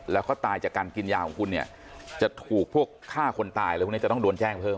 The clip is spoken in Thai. แล้วเขาตายจากการกินยาของคุณเนี่ยจะถูกพวกฆ่าคนตายอะไรพวกนี้จะต้องโดนแจ้งเพิ่ม